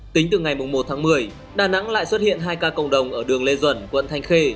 tính từ ngày một tháng một mươi đà nẵng lại xuất hiện hai ca cộng đồng ở đường lê duẩn quận thanh khê